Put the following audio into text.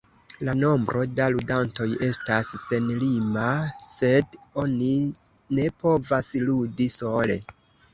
La nombro da ludantoj estas senlima, sed oni ne povas ludi sole.